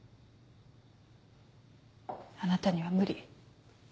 あなたには無理。